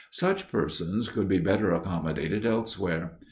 Such persons could be better accommodated elsewhere.